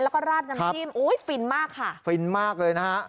แล้วก็ราดน้ำจิ้มอุ้ยฟินมากค่ะฟินมากเลยนะฮะ